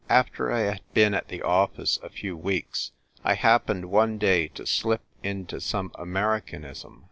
After I had been at the office a few weeks, I happened one day to slip into some Ameri canism.